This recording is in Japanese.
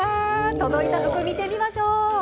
届いた服を見てみましょう。